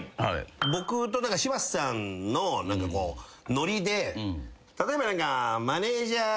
僕と柴田さんのノリで例えば何か。